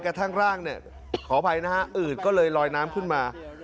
กระทั่งร่างเนี่ยขออภัยนะฮะอืดก็เลยลอยน้ำขึ้นมา